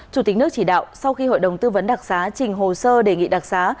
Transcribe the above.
chủ tịch nước chỉ đạo sau khi hội đồng tư vấn đặc xá trình hồ sơ đề nghị đặc xá